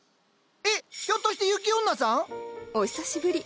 えっひょっとして雪女さん？お久しぶり。